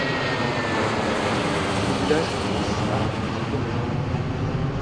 Dès sa construction, le village commence à prospérer.